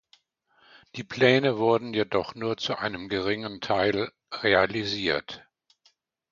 Die Pläne wurden jedoch nur zu einem geringen Teil realisiert.